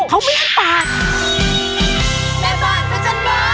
เขาไม่อันตัด